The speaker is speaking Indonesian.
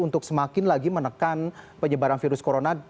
untuk semakin lagi menekan penyebaran virus corona